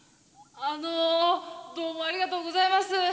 あのどうもありがとうございます。